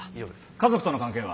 家族との関係は？